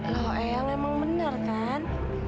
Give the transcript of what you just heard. loh eyang emang bener kan